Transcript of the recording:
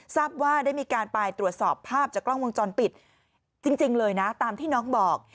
ทราบว่าได้มีการไปตรวจสอบภาพจากกล้องวงจรปิดจริงเลยนะตามที่น้องบอก